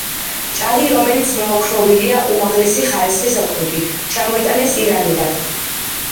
ჭაღი, რომელიც მოოქროვილია უმაღლესი ხარისხის ოქროთი, ჩამოიტანეს ირანიდან.